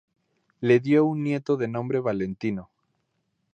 Le dio un nieto de nombre Valentino.